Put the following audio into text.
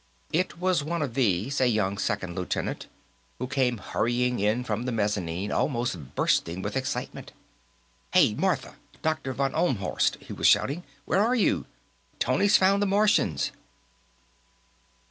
It was one of these, a young second lieutenant, who came hurrying in from the mezzanine, almost bursting with excitement. "Hey, Martha! Dr. von Ohlmhorst!" he was shouting. "Where are you? Tony's found the Martians!"